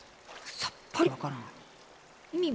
さっぱりわからん。